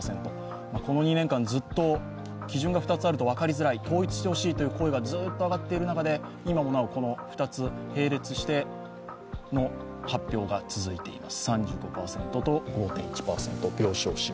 この２年間ずっと基準が２つあると分かりづらい統一してほしいという声がずっと上がっている中で、今もなお並列しての発表が続いています。